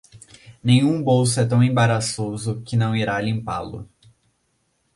Nenhum bolso é tão embaraçoso que não irá limpá-lo.